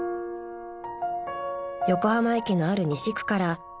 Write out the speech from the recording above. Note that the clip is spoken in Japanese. ［横浜駅のある西区から名字は西］